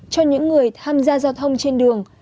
cho những người tham gia giao thông trên đường